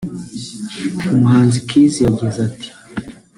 umuhanzi Khizz yagize ati